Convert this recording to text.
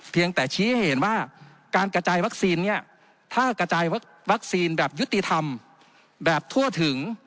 แต่ชี้ให้เห็นว่าการกระจายวัคซีนเนี่ยถ้ากระจายวัคซีนแบบยุติธรรมแบบทั่วถึง